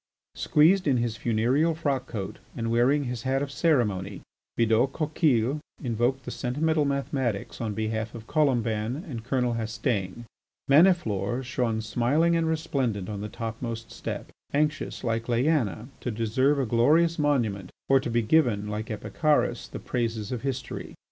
Squeezed in his funereal frock coat and wearing his hat of ceremony, Bidault Coquille invoked the sentimental mathematics on behalf of Colomban and Colonel Hastaing. Maniflore shone smiling and resplendent on the topmost step, anxious, like Leaena, to deserve a glorious monument, or to be given, like Epicharis, the praises of history.